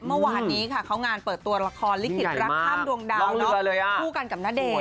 เมื่อวานนี้ค่ะเขางานเปิดตัวละครลิขิตรักข้ามดวงดาวคู่กันกับณเดชน